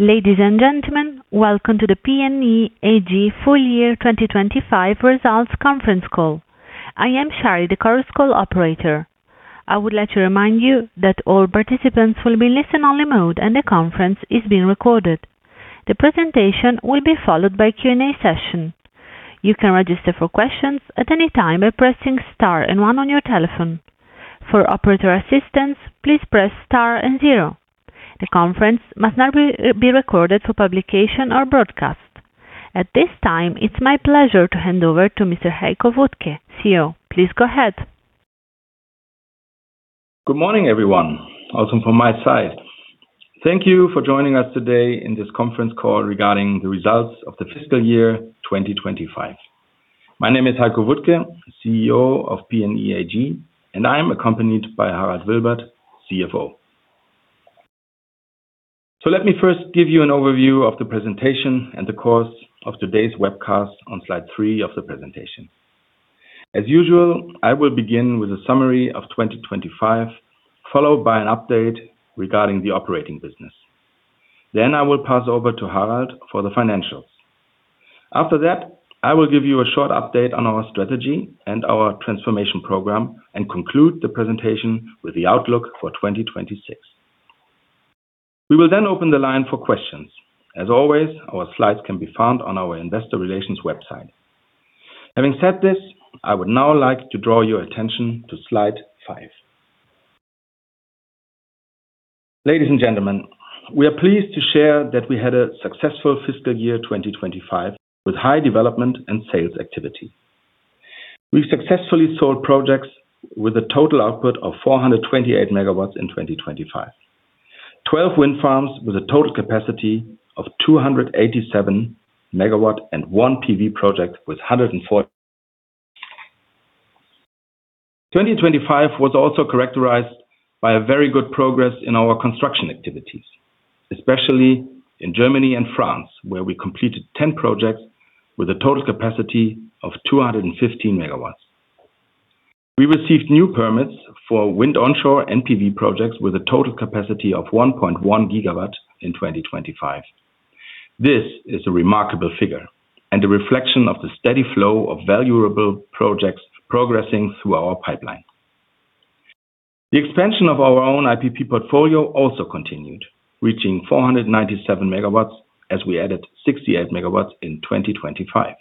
Ladies, and gentlemen, welcome to the PNE AG Full Year 2025 Results Conference Call. I am Shari, the Chorus Call operator. I would like to remind you that all participants will be in listen-only mode, and the conference is being recorded. The presentation will be followed by a Q&A session. You can register for questions at any time by pressing star and one on your telephone. For operator assistance, please press star and zero. The conference must not be recorded for publication or broadcast. At this time, it's my pleasure to hand over to Mr. Heiko Wuttke, CEO. Please go ahead. Good morning, everyone. Also from my side, thank you for joining us today in this conference call regarding the results of the fiscal year 2025. My name is Heiko Wuttke, CEO of PNE AG, and I'm accompanied by Harald Wilbert, CFO. Let me first give you an overview of the presentation and the course of today's webcast on slide three of the presentation. As usual, I will begin with a summary of 2025, followed by an update regarding the operating business. I will pass over to Harald for the financials. After that, I will give you a short update on our strategy and our transformation program and conclude the presentation with the outlook for 2026. We will then open the line for questions. As always, our slides can be found on our Investor Relations website. Having said this, I would now like to draw your attention to slide five. Ladies, and gentlemen, we are pleased to share that we had a successful fiscal year 2025 with high development and sales activity. We've successfully sold projects with a total output of 428 MW in 2025. 12 wind farms with a total capacity of 287 MW, and one PV project with 140. 2025 was also characterized by a very good progress in our construction activities, especially in Germany and France, where we completed 10 projects with a total capacity of 215 MW. We received new permits for onshore wind and PV projects with a total capacity of 1.1 GW in 2025. This is a remarkable figure and a reflection of the steady flow of valuable projects progressing through our pipeline. The expansion of our own IPP portfolio also continued, reaching 497 MW, as we added 68 MW in 2025.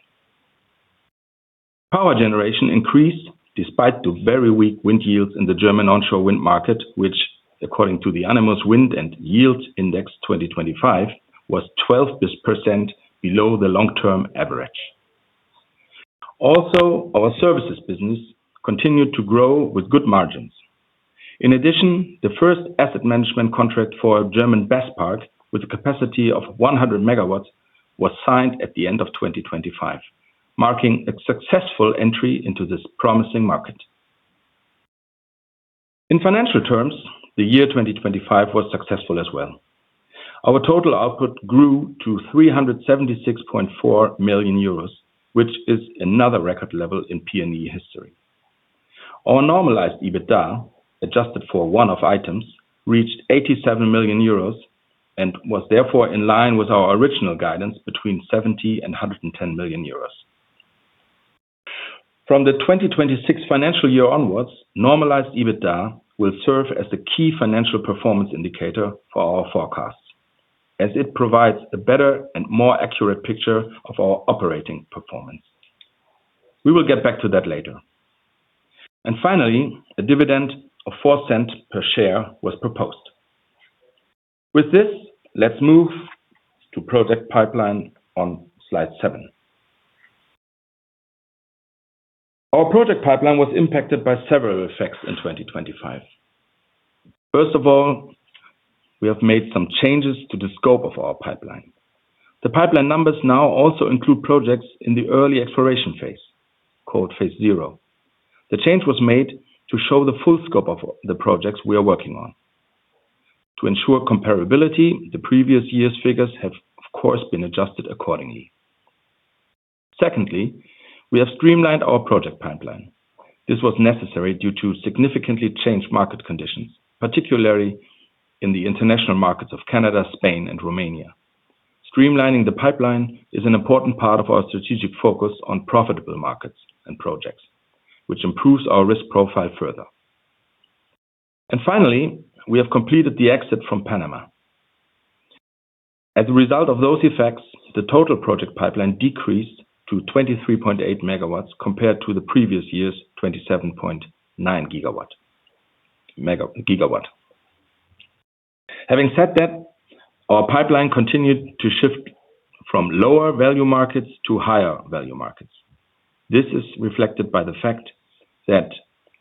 Power generation increased despite the very weak wind yields in the German onshore wind market, which according to the Anemos Wind and Yield Index 2025, was 12% below the long-term average. Also, our services business continued to grow with good margins. In addition, the first asset management contract for German BESS park, with a capacity of 100 MW, was signed at the end of 2025, marking a successful entry into this promising market. In financial terms, the year 2025 was successful as well. Our total output grew to 376.4 million euros, which is another record level in PNE history. Our normalized EBITDA, adjusted for one-off items, reached 87 million euros and was therefore in line with our original guidance between 70 million euros and 110 million euros. From the 2026 financial year onwards, normalized EBITDA will serve as the key financial performance indicator for our forecasts, as it provides a better and more accurate picture of our operating performance. We will get back to that later. Finally, a dividend of 0.04 per share was proposed. With this, let's move to project pipeline on slide seven. Our project pipeline was impacted by several effects in 2025. First of all, we have made some changes to the scope of our pipeline. The pipeline numbers now also include projects in the early exploration phase, called phase zero. The change was made to show the full scope of the projects we are working on. To ensure comparability, the previous year's figures have, of course, been adjusted accordingly. Secondly, we have streamlined our project pipeline. This was necessary due to significantly changed market conditions, particularly in the international markets of Canada, Spain, and Romania. Streamlining the pipeline is an important part of our strategic focus on profitable markets and projects, which improves our risk profile further. Finally, we have completed the exit from Panama. As a result of those effects, the total project pipeline decreased to 23.8 MW compared to the previous year's 27.9 GW. Having said that, our pipeline continued to shift from lower value markets to higher value markets. This is reflected by the fact that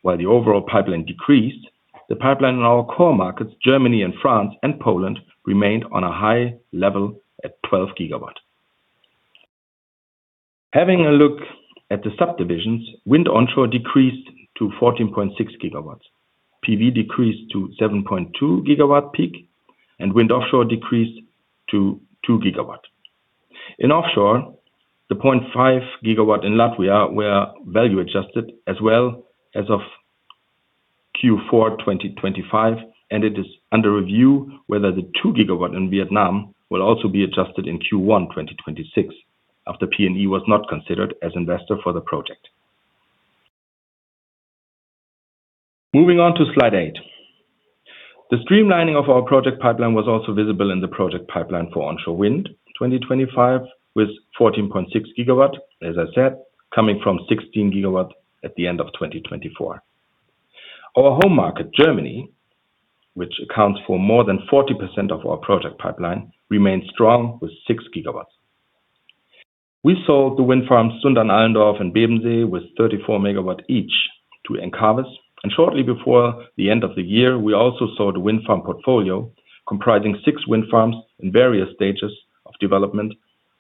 while the overall pipeline decreased, the pipeline in our core markets, Germany and France and Poland, remained on a high level at 12 GW. Having a look at the subdivisions, wind onshore decreased to 14.6 GW. PV decreased to 7.2 GWp, and wind offshore decreased to 2 GW. In offshore, the 0.5 GW in Latvia were value-adjusted, as well as of Q4 2025, and it is under review whether the 2 GW in Vietnam will also be adjusted in Q1 2026, after PNE was not considered as investor for the project. Moving on to slide eight. The streamlining of our project pipeline was also visible in the project pipeline for onshore wind 2025, with 14.6 GW, as I said, coming from 16 GW at the end of 2024. Our home market, Germany, which accounts for more than 40% of our project pipeline, remains strong with 6 GW. We sold the wind farm Sundern-Allendorf and Bebensee with 34 MW each to Encavis. Shortly before the end of the year, we also sold wind farm portfolio, comprising six wind farms in various stages of development,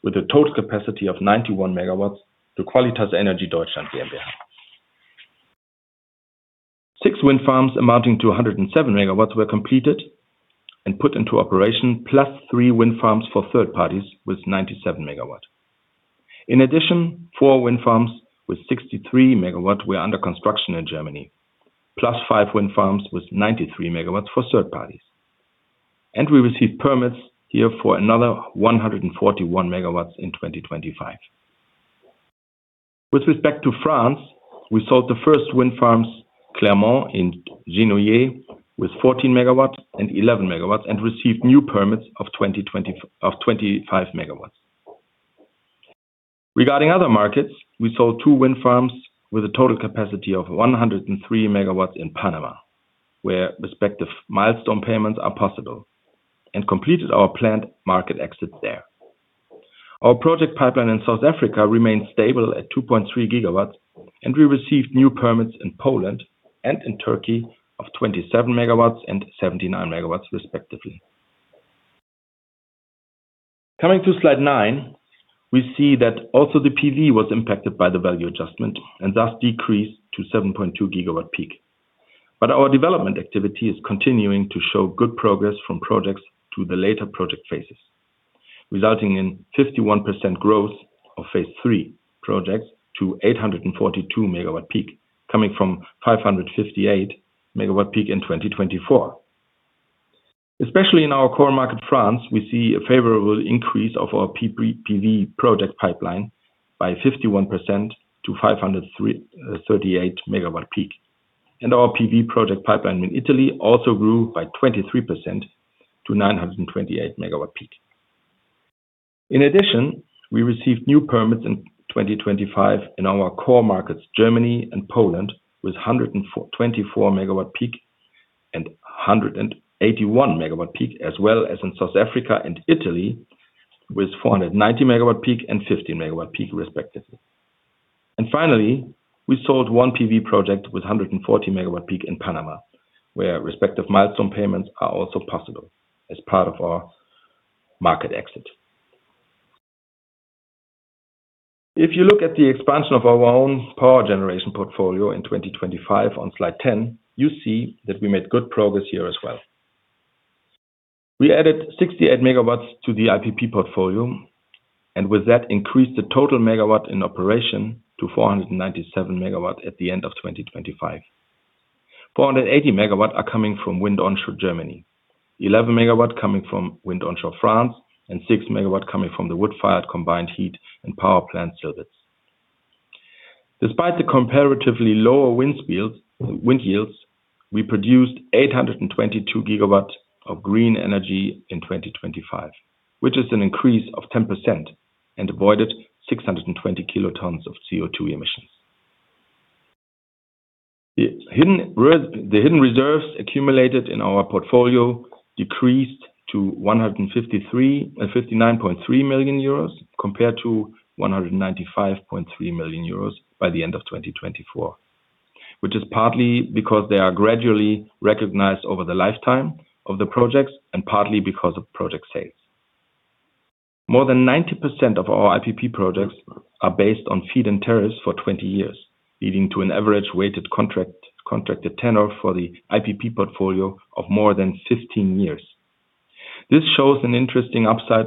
with a total capacity of 91 MW to Qualitas Energy Deutschland GmbH. Six wind farms amounting to 107 MW were completed and put into operation, +3 wind farms for third parties with 97 MW. In addition, four wind farms with 63 MW were under construction in Germany, +5 wind farms with 93 MW for third parties. We received permits here for another 141 MW in 2025. With respect to France, we sold the first wind farms, Clermont-en-Argonne and Genouillé, with 14 MW and 11 MW, and received new permits of 25 MW. Regarding other markets, we sold two wind farms with a total capacity of 103 MW in Panama, where respective milestone payments are possible, and completed our planned market exit there. Our project pipeline in South Africa remains stable at 2.3 GW, and we received new permits in Poland and in Turkey of 27 MW and 79 MW, respectively. Coming to slide nine, we see that also the PV was impacted by the value adjustment, and thus decreased to 7.2 GWp. Our development activity is continuing to show good progress from projects to the later project phases, resulting in 51% growth of phase III projects to 842 MWp, coming from 558 MWp in 2024. Especially in our core market, France, we see a favorable increase of our PV project pipeline by 51% to 503.38 MWp. Our PV project pipeline in Italy also grew by 23% to 928 MWp. In addition, we received new permits in 2025 in our core markets, Germany and Poland, with 24 MWp and 181 MWp, as well as in South Africa and Italy, with 490 MWp and 50 MWp respectively. Finally, we sold one PV project with 140 MWp in Panama, where respective milestone payments are also possible as part of our market exit. If you look at the expansion of our own power generation portfolio in 2025 on slide 10, you see that we made good progress here as well. We added 68 MW to the IPP portfolio, and with that increased the total megawatt in operation to 497 MW at the end of 2025. 480 MW are coming from wind onshore Germany, 11 MW coming from wind onshore France, and 6 MW coming from the wood-fired combined heat and power plant service. Despite the comparatively lower wind yields, we produced 822 GW of green energy in 2025, which is an increase of 10% and avoided 620 kilotons of CO2 emissions. The hidden reserves accumulated in our portfolio decreased to 153.59 million euros, compared to 195.3 million euros by the end of 2024, which is partly because they are gradually recognized over the lifetime of the projects and partly because of project sales. More than 90% of our IPP projects are based on feed-in tariffs for 20 years, leading to an average weighted contracted tenor for the IPP portfolio of more than 15 years. This shows an interesting upside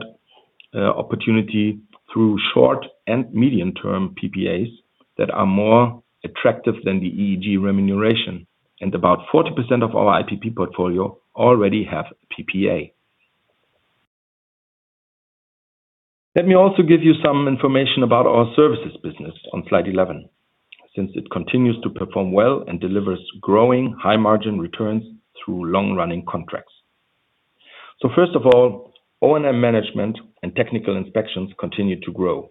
opportunity through short and medium-term PPAs that are more attractive than the EEG remuneration, and about 40% of our IPP portfolio already have PPA. Let me also give you some information about our services business on slide 11, since it continues to perform well and delivers growing high-margin returns through long-running contracts. First of all, O&M management and technical inspections continue to grow.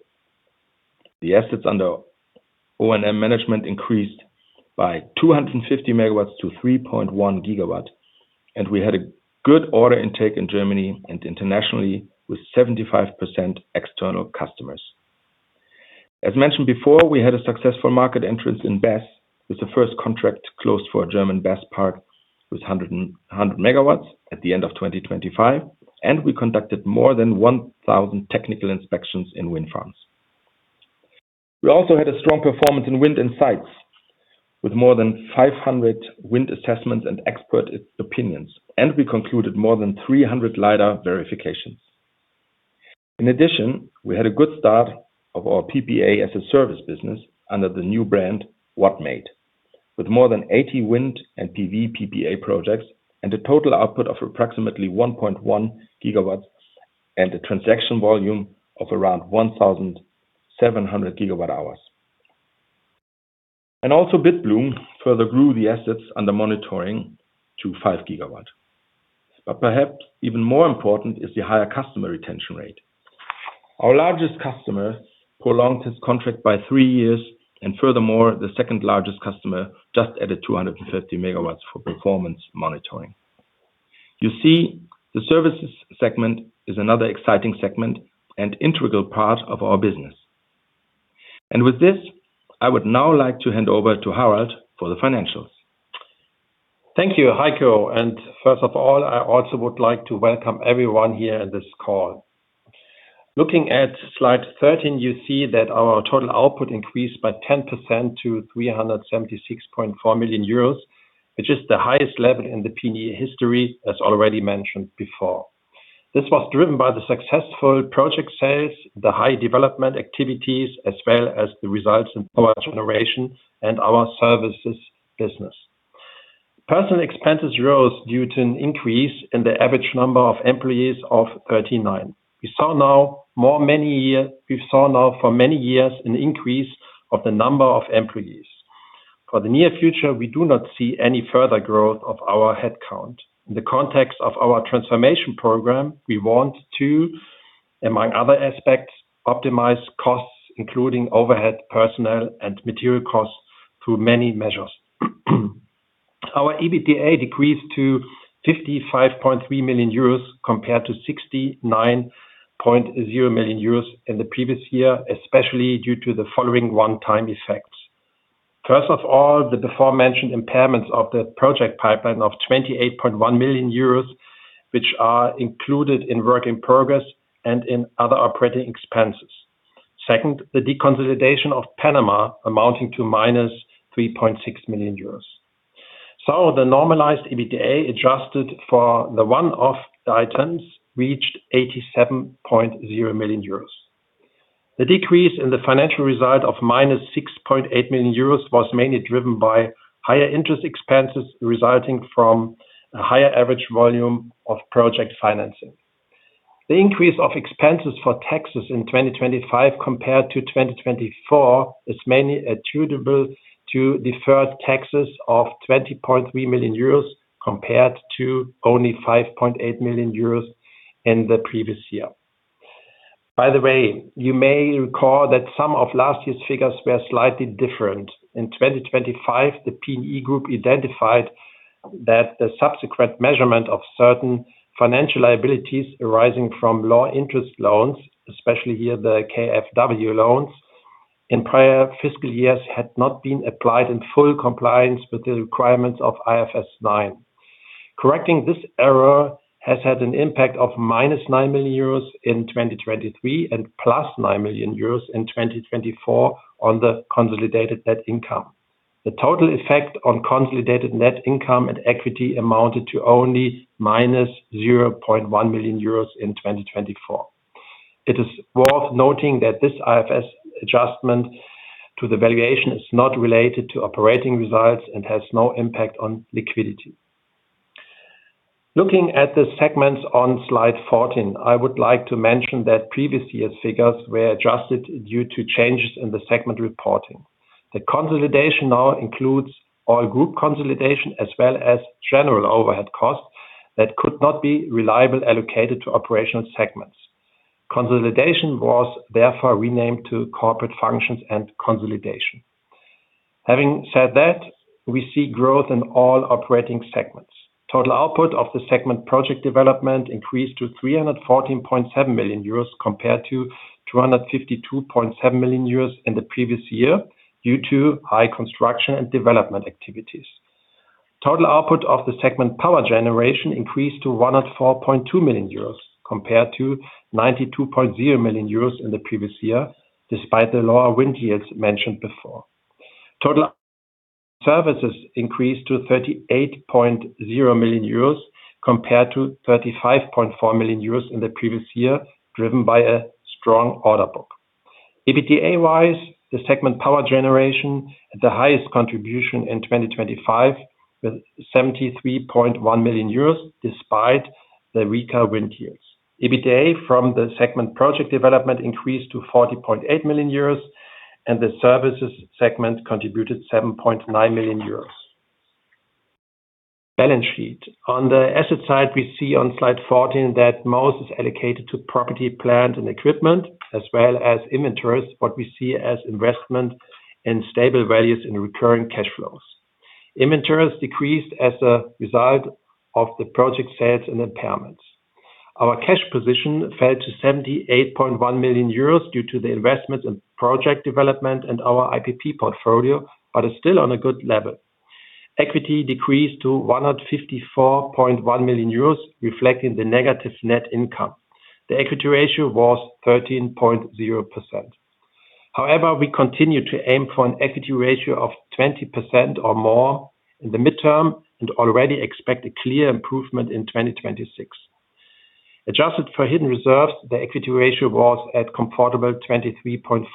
The assets under O&M management increased by 250 MW-3.1 GW, and we had a good order intake in Germany and internationally with 75% external customers. As mentioned before, we had a successful market entrance in BESS, with the first contract closed for a German BESS park with a hundred MW at the end of 2025, and we conducted more than 1,000 technical inspections in wind farms. We also had a strong performance in wind insights, with more than 500 wind assessments and expert opinions, and we concluded more than 300 lidar verifications. In addition, we had a good start of our PPA as a service business under the new brand, Wattmate. With more than 80 wind and PV PPA projects and a total output of approximately 1.1 GW, and a transaction volume of around 1,700 GWh. Also Bitbloom further grew the assets under monitoring to 5 GW. Perhaps even more important is the higher customer retention rate. Our largest customer prolonged his contract by three years, and furthermore, the second-largest customer just added 250 MW for performance monitoring. You see, the services segment is another exciting segment and integral part of our business. With this, I would now like to hand over to Harald for the financials. Thank you, Heiko. First of all, I also would like to welcome everyone here in this call. Looking at slide 13, you see that our total output increased by 10% to 376.4 million euros, which is the highest level in the PNE history, as already mentioned before. This was driven by the successful project sales, the high development activities, as well as the results in power generation and our services business. Personnel expenses rose due to an increase in the average number of employees of 39. We've seen for many years an increase of the number of employees. For the near future, we do not see any further growth of our headcount. In the context of our transformation program, we want to, among other aspects, optimize costs, including overhead personnel and material costs through many measures. Our EBITDA decreased to 55.3 million euros compared to 69.0 million euros in the previous year, especially due to the following one-time effects. First of all, the aforementioned impairments of the project pipeline of 28.1 million euros, which are included in work in progress and in other operating expenses. Second, the deconsolidation of Panama amounting to -3.6 million euros. The normalized EBITDA, adjusted for the one-off items, reached 87.0 million euros. The decrease in the financial result of -6.8 million euros was mainly driven by higher interest expenses resulting from a higher average volume of project financing. The increase of expenses for taxes in 2025 compared to 2024 is mainly attributable to deferred taxes of 20.3 million euros compared to only 5.8 million euros in the previous year. By the way, you may recall that some of last year's figures were slightly different. In 2025, the PNE Group identified that the subsequent measurement of certain financial liabilities arising from low interest loans, especially here the KfW loans, in prior fiscal years had not been applied in full compliance with the requirements of IFRS 9. Correcting this error has had an impact of -9 million euros in 2023 and +9 million euros in 2024 on the consolidated net income. The total effect on consolidated net income and equity amounted to only -0.1 million euros in 2024. It is worth noting that this IFRS adjustment to the valuation is not related to operating results and has no impact on liquidity. Looking at the segments on slide 14, I would like to mention that previous year's figures were adjusted due to changes in the segment reporting. The consolidation now includes all group consolidation as well as general overhead costs that could not be reliably allocated to operational segments. Consolidation was therefore renamed to corporate functions and consolidation. Having said that, we see growth in all operating segments. Total output of the segment project development increased to 314.7 million euros compared to 252.7 million euros in the previous year due to high construction and development activities. Total output of the segment power generation increased to 104.2 million euros compared to 92.0 million euros in the previous year, despite the lower wind years mentioned before. Total services increased to 38.0 million euros compared to 35.4 million euros in the previous year, driven by a strong order book. EBITDA-wise, the segment Power Generation, the highest contribution in 2025 with 73.1 million euros, despite the weaker wind years. EBITDA from the segment Project Development increased to 40.8 million euros, and the Services segment contributed 7.9 million euros. Balance sheet. On the asset side, we see on slide 14 that most is allocated to property, plant, and equipment, as well as inventories, what we see as investment in stable values in recurring cash flows. Inventories decreased as a result of the project sales and impairments. Our cash position fell to 78.1 million euros due to the investments in project development and our IPP portfolio, but is still on a good level. Equity decreased to 154.1 million euros, reflecting the negative net income. The equity ratio was 13.0%. However, we continue to aim for an equity ratio of 20% or more in the midterm and already expect a clear improvement in 2026. Adjusted for hidden reserves, the equity ratio was at comfortable 23.4%.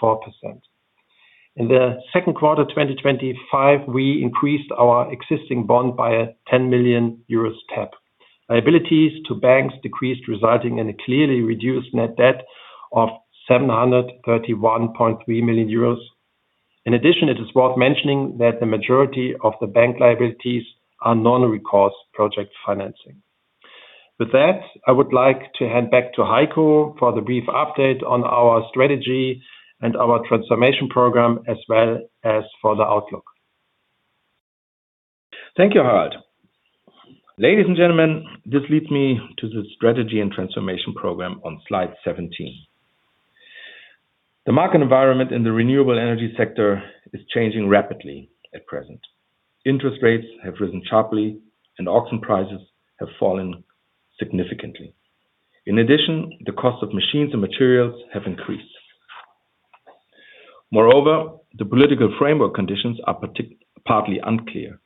In the second quarter of 2025, we increased our existing bond by a 10 million euros tap. Liabilities to banks decreased, resulting in a clearly reduced net debt of 731.3 million euros. In addition, it is worth mentioning that the majority of the bank liabilities are non-recourse project financing. With that, I would like to hand back to Heiko for the brief update on our strategy and our transformation program, as well as for the outlook. Thank you, Harald. Ladies, and gentlemen, this leads me to the strategy and transformation program on slide 17. The market environment in the renewable energy sector is changing rapidly at present. Interest rates have risen sharply and auction prices have fallen significantly. In addition, the cost of machines and materials have increased. Moreover, the political framework conditions are partly unclear.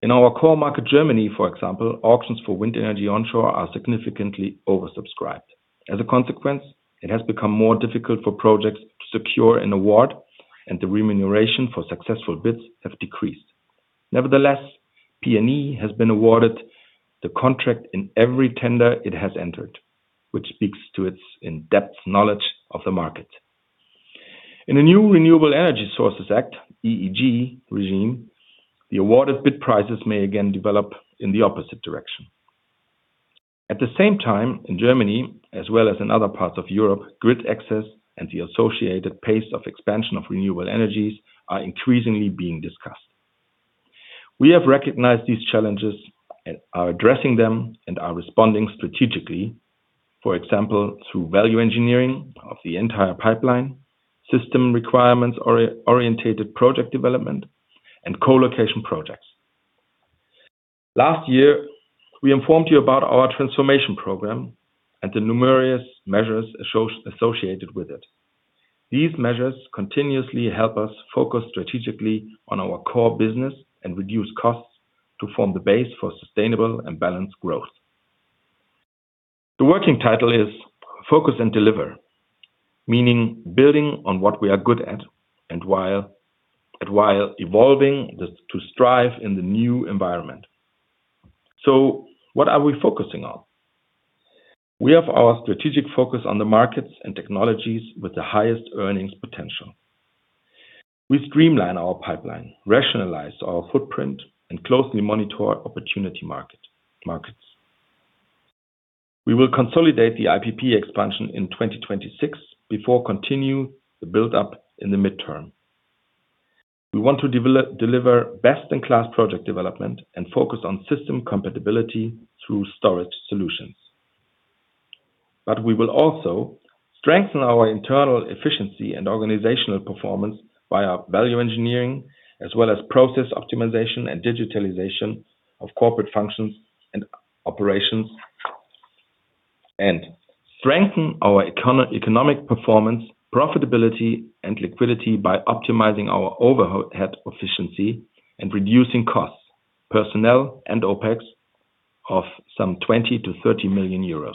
In our core market, Germany, for example, auctions for wind energy onshore are significantly oversubscribed. As a consequence, it has become more difficult for projects to secure an award and the remuneration for successful bids have decreased. Nevertheless, PNE has been awarded the contract in every tender it has entered, which speaks to its in-depth knowledge of the market. In a new Renewable Energy Sources Act, EEG regime, the awarded bid prices may again develop in the opposite direction. At the same time, in Germany, as well as in other parts of Europe, grid access and the associated pace of expansion of renewable energies are increasingly being discussed. We have recognized these challenges and are addressing them and are responding strategically, for example, through value engineering of the entire pipeline, system requirements oriented project development, and co-location projects. Last year, we informed you about our transformation program and the numerous measures associated with it. These measures continuously help us focus strategically on our core business and reduce costs to form the base for sustainable and balanced growth. The working title is Focus and Deliver, meaning building on what we are good at while evolving to strive in the new environment. What are we focusing on? We have our strategic focus on the markets and technologies with the highest earnings potential. We streamline our pipeline, rationalize our footprint, and closely monitor opportunity markets. We will consolidate the IPP expansion in 2026 before continue the build-up in the midterm. We want to deliver best-in-class project development and focus on system compatibility through storage solutions. We will also strengthen our internal efficiency and organizational performance via value engineering, as well as process optimization and digitalization of corporate functions and operations, and strengthen our economic performance, profitability, and liquidity by optimizing our overhead efficiency and reducing costs, personnel and OpEx of some 20 million-30 million euros.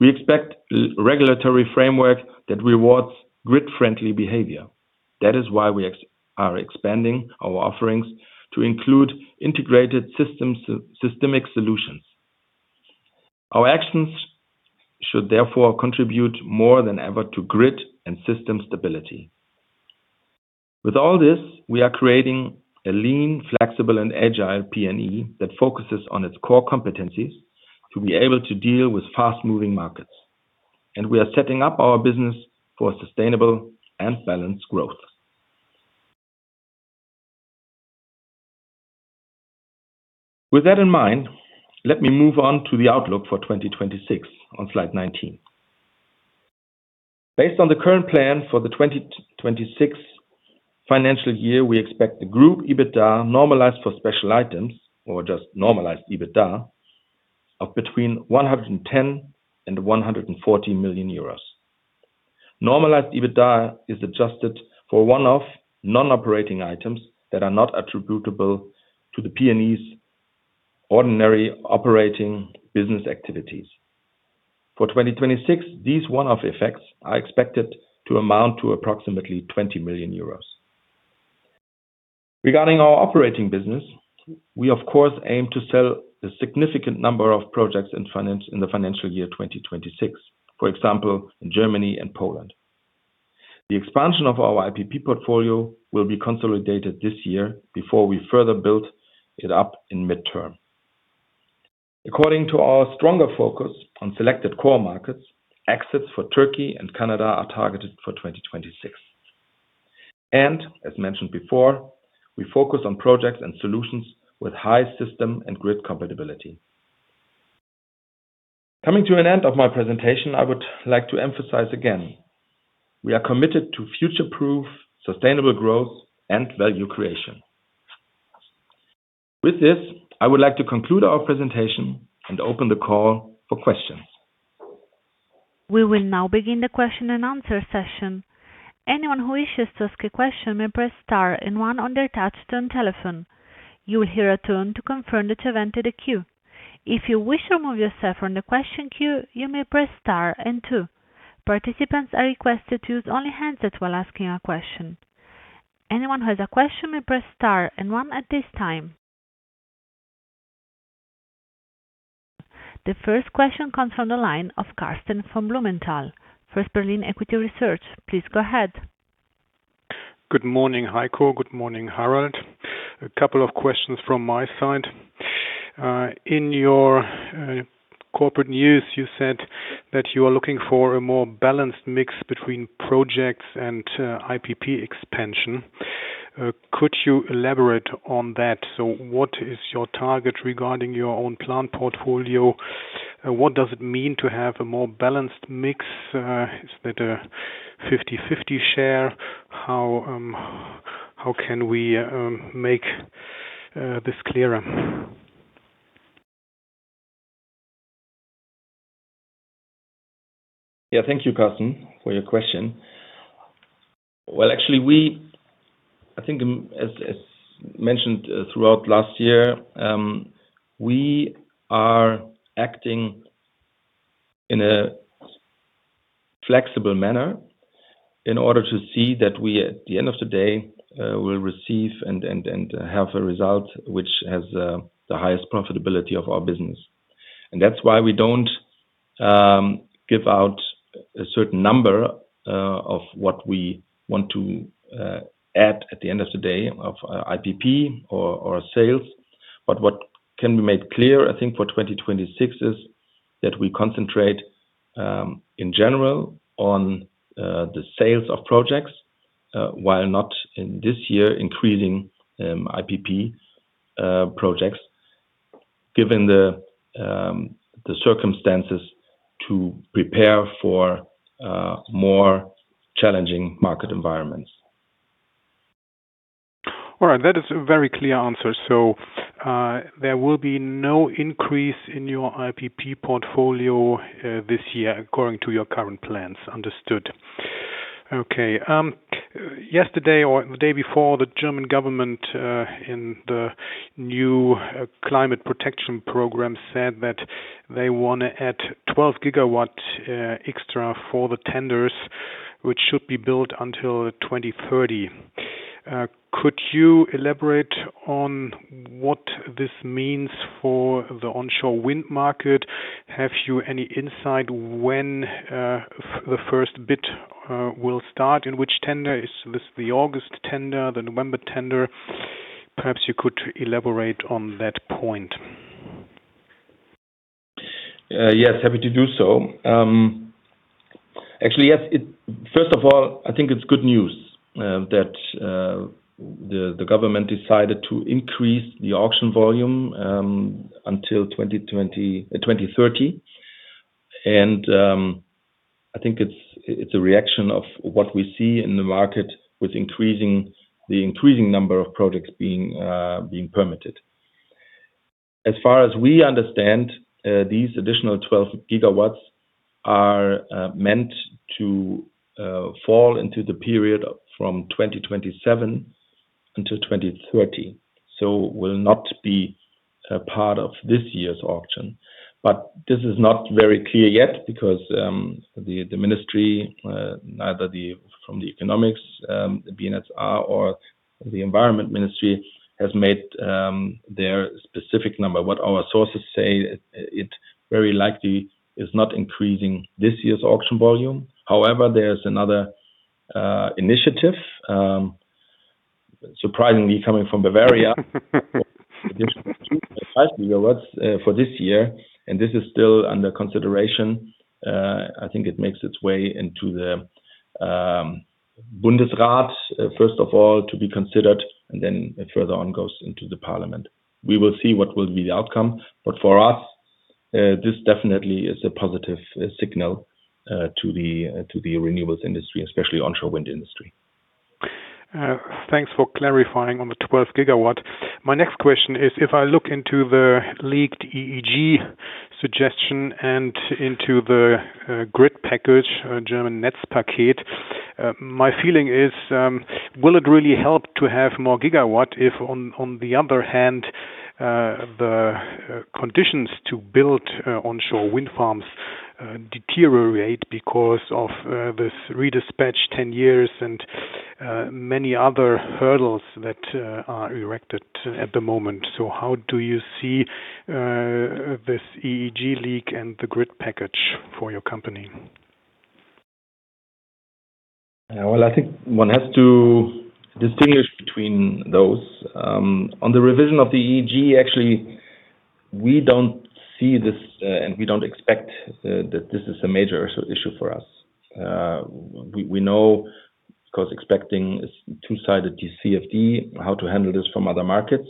We expect a regulatory framework that rewards grid-friendly behavior. That is why we are expanding our offerings to include integrated systems, systemic solutions. Our actions should therefore contribute more than ever to grid and system stability. With all this, we are creating a lean, flexible and agile PNE that focuses on its core competencies to be able to deal with fast-moving markets. We are setting up our business for sustainable and balanced growth. With that in mind, let me move on to the outlook for 2026 on slide 19. Based on the current plan for the 2026 financial year, we expect the group EBITDA normalized for special items, or just normalized EBITDA, of between 110 million and 140 million euros. Normalized EBITDA is adjusted for one-off non-operating items that are not attributable to the PNE's ordinary operating business activities. For 2026, these one-off effects are expected to amount to approximately 20 million euros. Regarding our operating business, we of course aim to sell a significant number of projects and finance in the financial year 2026, for example, in Germany and Poland. The expansion of our IPP portfolio will be consolidated this year before we further build it up in midterm. According to our stronger focus on selected core markets, exits for Turkey and Canada are targeted for 2026. As mentioned before, we focus on projects and solutions with high system and grid compatibility. Coming to an end of my presentation, I would like to emphasize again, we are committed to future-proof, sustainable growth and value creation. With this, I would like to conclude our presentation and open the call for questions. We will now begin the question-and-answer session. Anyone who wishes to ask a question may press star and one on their touchtone telephone. You will hear a tone to confirm that you have entered the queue. If you wish to remove yourself from the question queue, you may press star and two. Participants are requested to use only handsets while asking a question. Anyone who has a question may press star and one at this time. The first question comes from the line of Karsten von Blumenthal, First Berlin Equity Research. Please go ahead. Good morning, Heiko. Good morning, Harald. A couple of questions from my side. In your corporate news, you said that you are looking for a more balanced mix between projects and IPP expansion. Could you elaborate on that? What is your target regarding your own plant portfolio? What does it mean to have a more balanced mix? Is that a 50/50 share? How can we make this clearer? Yeah. Thank you, Karsten, for your question. Well, actually, I think as mentioned throughout last year, we are acting in a flexible manner in order to see that we, at the end of the day, will receive and have a result which has the highest profitability of our business. That's why we don't give out a certain number of what we want to add at the end of the day of IPP or sales. What can be made clear, I think, for 2026 is that we concentrate in general on the sales of projects while not in this year increasing IPP projects, given the circumstances to prepare for more challenging market environments. All right. That is a very clear answer. There will be no increase in your IPP portfolio this year according to your current plans. Understood. Okay. Yesterday or the day before, the German government in the new climate protection program said that they wanna add 12 GW extra for the tenders, which should be built until 2030. Could you elaborate on what this means for the onshore wind market? Have you any insight when the first bid will start? In which tender? Is this the August tender, the November tender? Perhaps you could elaborate on that point. Yes. Happy to do so. Actually, yes. First of all, I think it's good news that the government decided to increase the auction volume until 2030. I think it's a reaction to what we see in the market with the increasing number of projects being permitted. As far as we understand, these additional 12 GW are meant to fall into the period from 2027 until 2030, so will not be a part of this year's auction. But this is not very clear yet because the ministry, neither the economics, the BNetzA, or the environment ministry, has made their specific number. What our sources say is that it very likely is not increasing this year's auction volume. However, there's another initiative, surprisingly coming from Bavaria. Additional 2 GW-5 GW for this year, and this is still under consideration. I think it makes its way into the Bundesrat, first of all, to be considered, and then it further on goes into the parliament. We will see what will be the outcome. For us, this definitely is a positive signal to the renewables industry, especially onshore wind industry. Thanks for clarifying on the 12 GW. My next question is, if I look into the leaked EEG suggestion and into the grid package, German Netzpaket, my feeling is, will it really help to have more GW if on the other hand, the conditions to build onshore wind farms deteriorate because of this redispatch 10 years and many other hurdles that are erected at the moment? How do you see this EEG leak and the grid package for your company? Well, I think one has to distinguish between those. On the revision of the EEG, actually, we don't see this, and we don't expect that this is a major issue for us. We know, of course, expecting is two-sided CFD, how to handle this from other markets.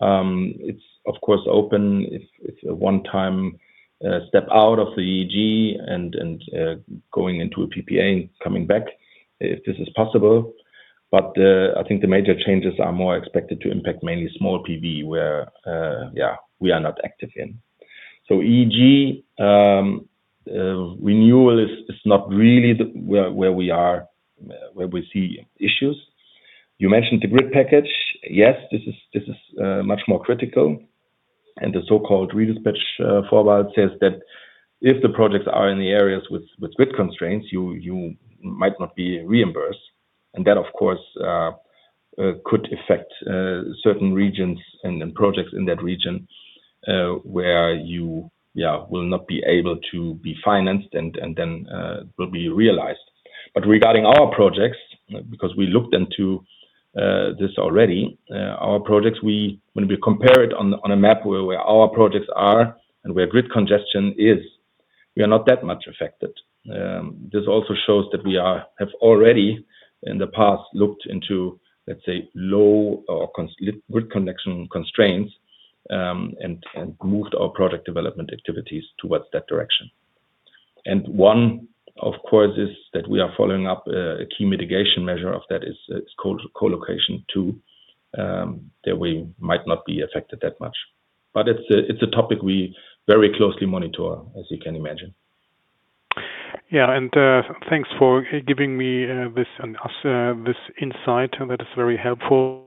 It's of course open. It's a one-time step out of the EEG and going into a PPA and coming back, if this is possible. I think the major changes are more expected to impact mainly small PV, where, yeah, we are not active in. EEG renewal is not really where we see issues. You mentioned the grid package. Yes, this is much more critical. The so-called redispatch formula says that if the projects are in the areas with grid constraints, you might not be reimbursed. That, of course, could affect certain regions and then projects in that region where you will not be able to be financed and then will be realized. Regarding our projects, because we looked into this already, our projects when we compare it on a map where our projects are and where grid congestion is, we are not that much affected. This also shows that we have already in the past looked into, let's say, low or constrained grid connection constraints and moved our project development activities towards that direction. One, of course, is that we are following up a key mitigation measure of that is co-location too, that we might not be affected that much. It's a topic we very closely monitor, as you can imagine. Thanks for giving me this and us this insight. That is very helpful.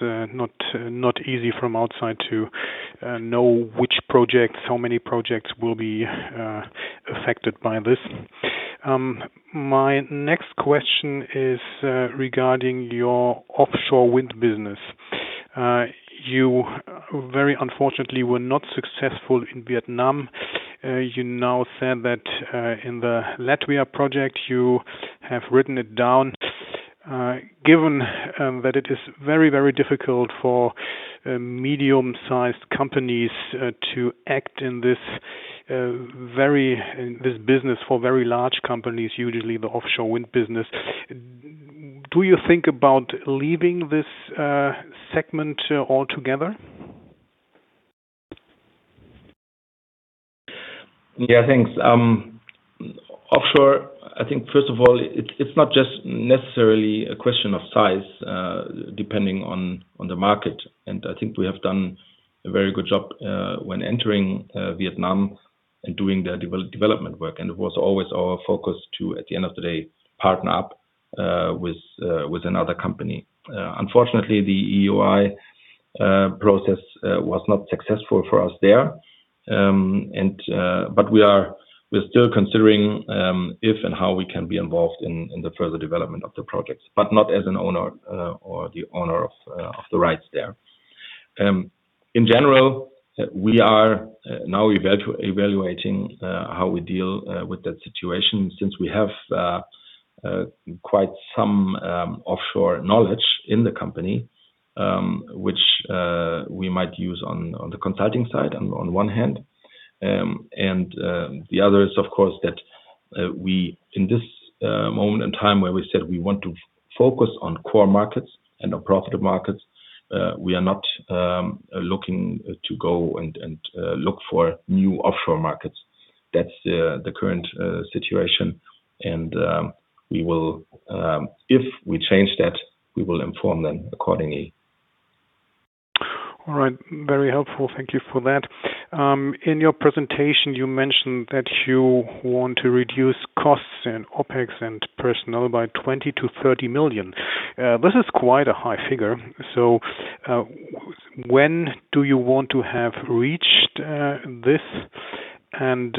Not easy from outside to know which projects, how many projects will be affected by this. My next question is regarding your offshore wind business. You very unfortunately were not successful in Vietnam. You now said that in the Latvia project, you have written it down. Given that it is very difficult for medium-sized companies to act in this business for very large companies, usually the offshore wind business, do you think about leaving this segment altogether? Yeah, thanks. Offshore, I think first of all, it's not just necessarily a question of size, depending on the market. I think we have done a very good job when entering Vietnam and doing the development work. It was always our focus to, at the end of the day, partner up with another company. Unfortunately, the EOI process was not successful for us there. We're still considering if and how we can be involved in the further development of the projects, but not as an owner or the owner of the rights there. In general, we are now evaluating how we deal with that situation since we have quite some offshore knowledge in the company, which we might use on the consulting side on one hand. The other is, of course, that we in this moment in time where we said we want to focus on core markets and on profitable markets, we are not looking to go and look for new offshore markets. That's the current situation. We will, if we change that, we will inform them accordingly. All right. Very helpful. Thank you for that. In your presentation, you mentioned that you want to reduce costs and OpEx and personnel by 20 million-30 million. This is quite a high figure. When do you want to have reached this? And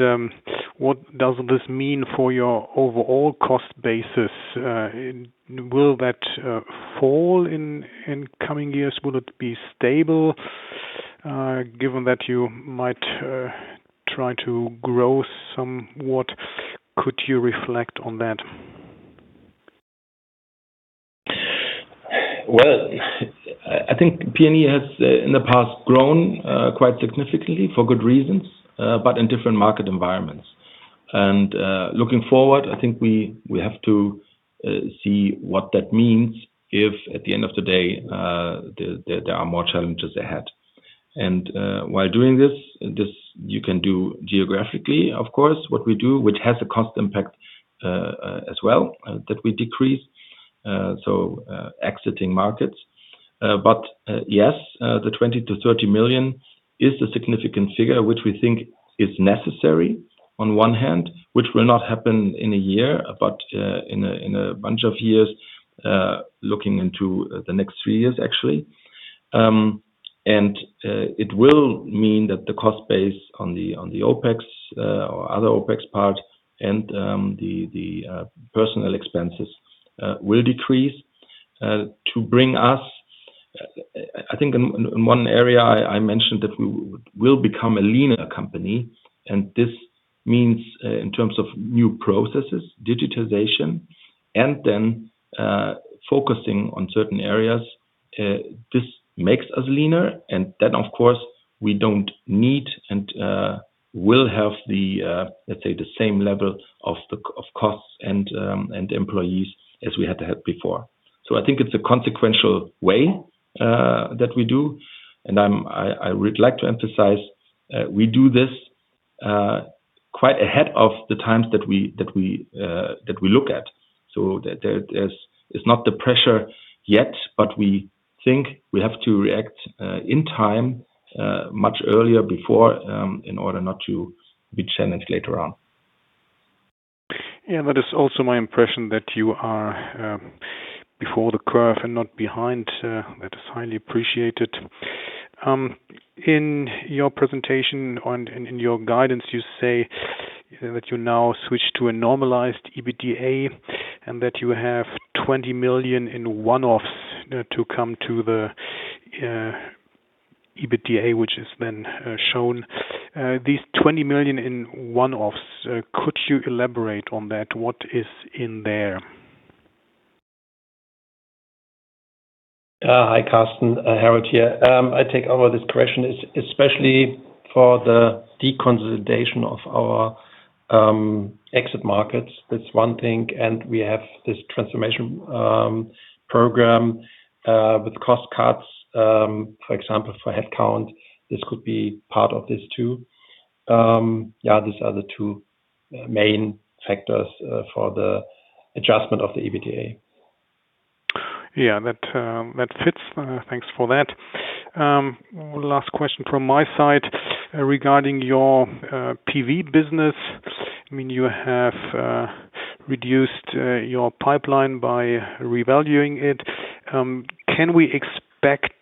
what does this mean for your overall cost basis? And will that fall in coming years? Will it be stable, given that you might try to grow somewhat? Could you reflect on that? Well, I think PNE has in the past grown quite significantly for good reasons but in different market environments. Looking forward, I think we have to see what that means if, at the end of the day, there are more challenges ahead. While doing this, you can do geographically, of course, what we do, which has a cost impact as well, that we decrease so exiting markets. The 20 million-30 million is a significant figure, which we think is necessary on one hand, which will not happen in a year, but in a bunch of years, looking into the next three years, actually. It will mean that the cost base on the OpEx or other OpEx parts and the personnel expenses will decrease to bring us. I think in one area I mentioned that we will become a leaner company, and this means in terms of new processes, digitization, and then focusing on certain areas. This makes us leaner, and then of course we don't need and will have the let's say the same level of costs and employees as we had to have before. I think it's a consequential way that we do, and I would like to emphasize we do this quite ahead of the times that we look at. That is, it's not the pressure yet, but we think we have to react in time, much earlier, before, in order not to be challenged later on. Yeah, that is also my impression that you are before the curve and not behind. That is highly appreciated. In your presentation, in your guidance, you say that you now switch to a normalized EBITDA and that you have 20 million in one-offs to come to the EBITDA, which is then shown. These 20 million in one-offs, could you elaborate on that? What is in there? Hi Karsten, Harald here. I take over this question, especially for the deconsolidation of our exit markets. That's one thing, and we have this transformation program with cost cuts, for example, for headcount. This could be part of this too. Yeah, these are the two main factors for the adjustment of the EBITDA. Yeah. That fits. Thanks for that. One last question from my side regarding your PV business. I mean, you have reduced your pipeline by revaluing it. Can we expect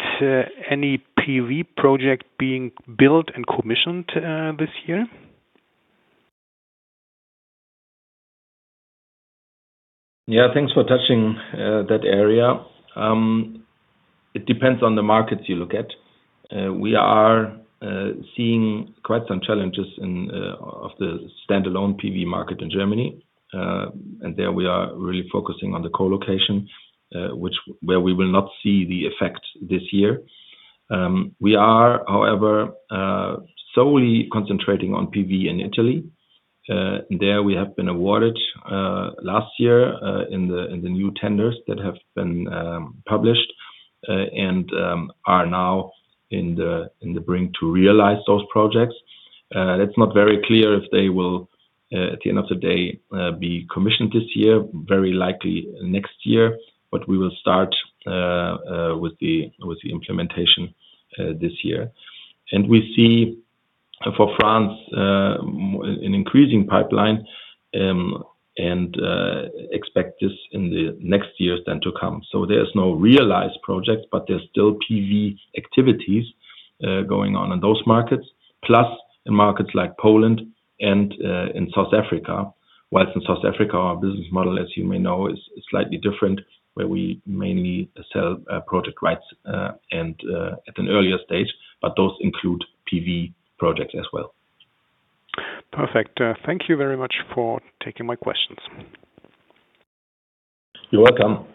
any PV project being built and commissioned this year? Yeah. Thanks for touching that area. It depends on the markets you look at. We are seeing quite some challenges in the standalone PV market in Germany. There we are really focusing on the co-location, where we will not see the effect this year. We are, however, solely concentrating on PV in Italy. There we have been awarded last year in the new tenders that have been published and are now on the brink to realize those projects. That's not very clear if they will, at the end of the day, be commissioned this year. Very likely next year. We will start with the implementation this year. We see for France an increasing pipeline and expect this in the next years then to come. There's no realized projects, but there's still PV activities going on in those markets. Plus, in markets like Poland and in South Africa. While in South Africa, our business model, as you may know, is slightly different, where we mainly sell project rights and at an earlier stage, but those include PV projects as well. Perfect. Thank you very much for taking my questions. You're welcome.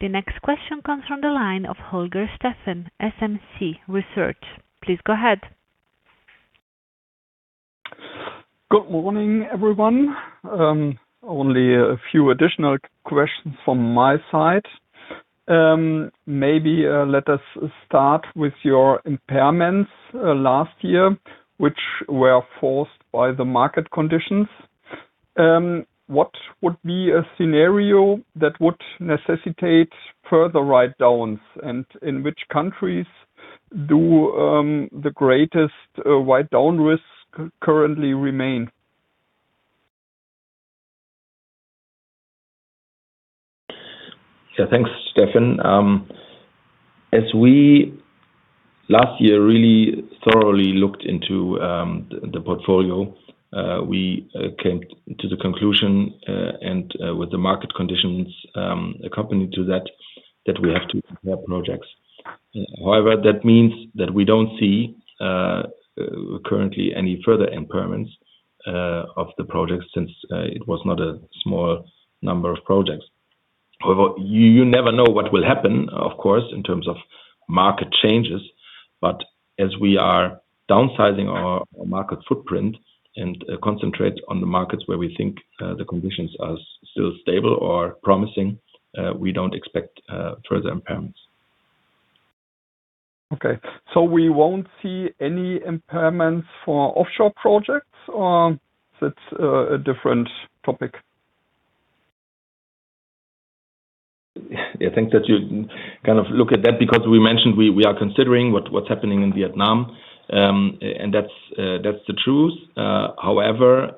The next question comes from the line of Holger Steffen, SMC Research. Please go ahead. Good morning, everyone. Only a few additional questions from my side. Maybe let us start with your impairments last year, which were forced by the market conditions. What would be a scenario that would necessitate further write-downs, and in which countries do the greatest write-down risks currently remain? Yeah. Thanks, Steffen. As we last year really thoroughly looked into the portfolio, we came to the conclusion and with the market conditions accompanying to that we have to impair projects. However, that means that we don't see currently any further impairments of the projects since it was not a small number of projects. However, you never know what will happen, of course, in terms of market changes. As we are downsizing our market footprint and concentrate on the markets where we think the conditions are still stable or promising, we don't expect further impairments. Okay. We won't see any impairments for offshore projects, or that's a different topic? I think that you kind of look at that because we mentioned we are considering what's happening in Vietnam. That's the truth. However,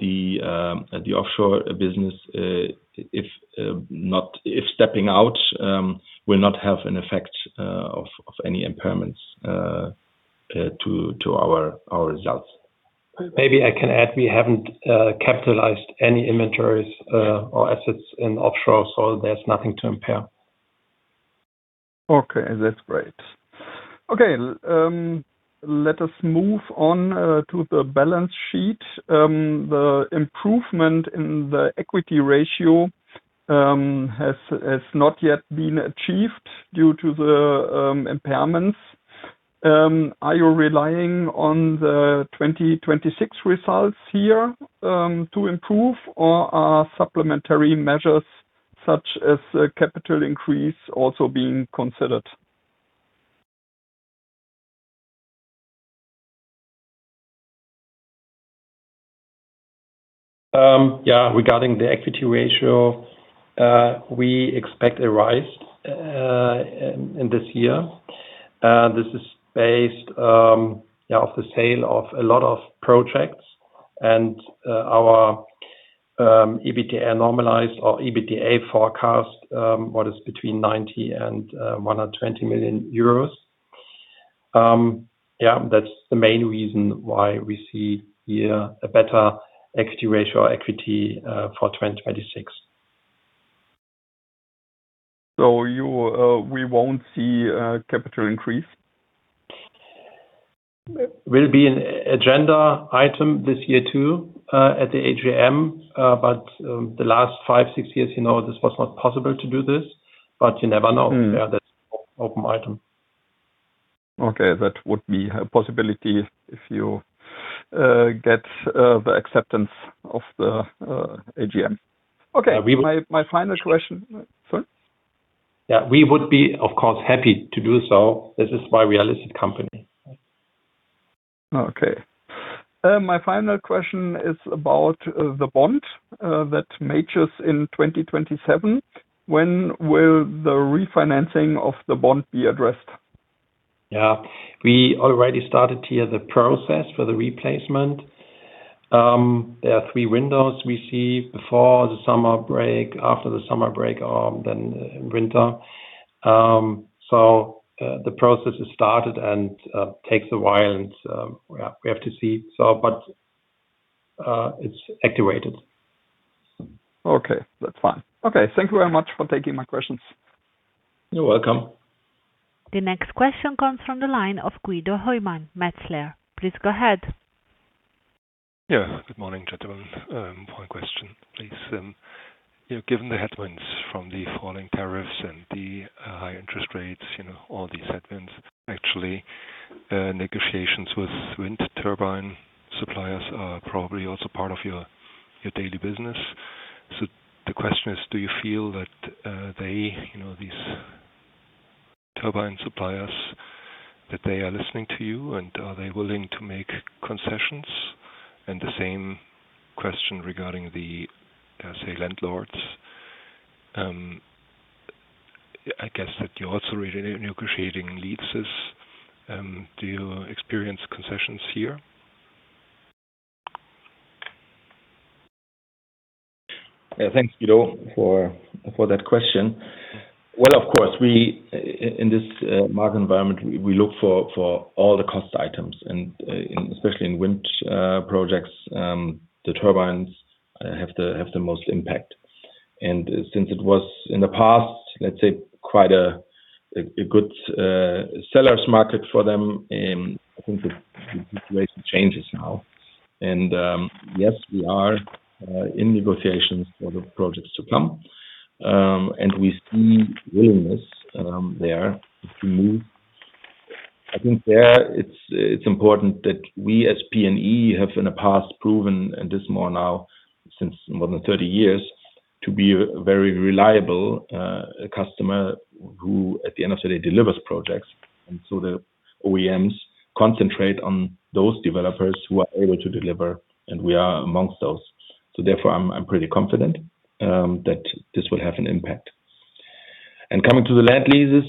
the offshore business, if stepping out, will not have an effect of any impairments to our results. Maybe I can add, we haven't capitalized any inventories or assets in offshore, so there's nothing to impair. Okay. That's great. Okay. Let us move on to the balance sheet. The improvement in the equity ratio has not yet been achieved due to the impairments. Are you relying on the 2026 results here to improve or are supplementary measures such as a capital increase also being considered? Regarding the equity ratio, we expect a rise in this year. This is based off the sale of a lot of projects and our EBITDA normalized or EBITDA forecast what is between 90 million and 120 million euros. That's the main reason why we see here a better equity ratio for 2026. You, we won't see capital increase? will be an agenda item this year too, at the AGM, but the last five, six years, you know this was not possible to do this, but you never know. Mm. Yeah, that's open item. Okay. That would be a possibility if you get the acceptance of the AGM. Okay. My final question. Sorry. Yeah. We would be, of course, happy to do so. This is why we are a listed company. Okay. My final question is about the bond that matures in 2027. When will the refinancing of the bond be addressed? We already started here the process for the replacement. There are three windows we see before the summer break, after the summer break, or then winter. The process is started and takes a while and we have to see. It's activated. Okay. That's fine. Okay. Thank you very much for taking my questions. You're welcome. The next question comes from the line of Guido Hoymann, Metzler. Please go ahead. Yeah. Good morning, gentlemen. One question, please. You know, given the headwinds from the falling tariffs and the high interest rates, you know, all these headwinds, actually, negotiations with wind turbine suppliers are probably also part of your daily business. The question is, do you feel that they, you know, these turbine suppliers, that they are listening to you, and are they willing to make concessions? The same question regarding the landlords. I guess that you're also renegotiating leases. Do you experience concessions here? Yeah. Thanks, Guido, for that question. Well, of course, in this market environment, we look for all the cost items and especially in wind projects, the turbines have the most impact. Since it was in the past, let's say, quite a good seller's market for them, I think the situation changes now. Yes, we are in negotiations for the projects to come. And we see willingness there to move. I think it's important that we as PNE have in the past proven, and this more now since more than 30 years, to be a very reliable customer who at the end of the day delivers projects. The OEMs concentrate on those developers who are able to deliver, and we are amongst those. Therefore, I'm pretty confident that this will have an impact. Coming to the land leases,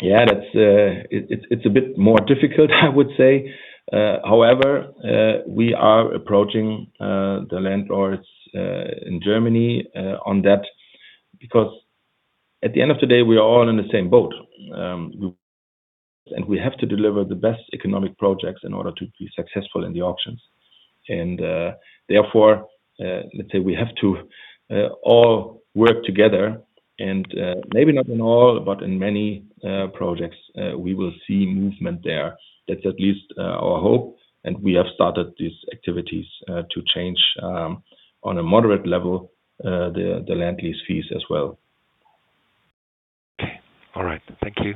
yeah, that's a bit more difficult I would say. However, we are approaching the landlords in Germany on that because at the end of the day, we are all in the same boat. We have to deliver the best economic projects in order to be successful in the auctions. Therefore, let's say we have to all work together and maybe not in all but in many projects we will see movement there. That's at least our hope, and we have started these activities to change on a moderate level the land lease fees as well. Okay. All right. Thank you.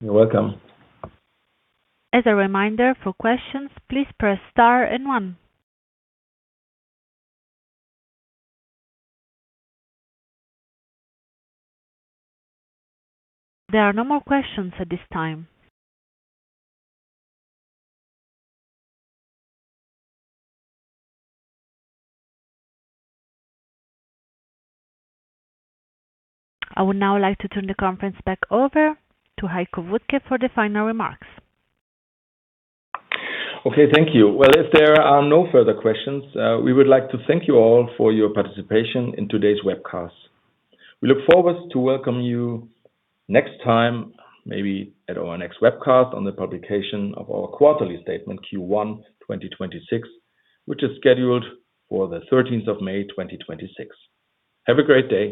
You're welcome. As a reminder, for questions, please press star and one. There are no more questions at this time. I would now like to turn the conference back over to Heiko Wuttke for the final remarks. Okay. Thank you. Well, if there are no further questions, we would like to thank you all for your participation in today's webcast. We look forward to welcome you next time, maybe at our next webcast, on the publication of our quarterly statement Q1 2026, which is scheduled for the 13th of May, 2026. Have a great day.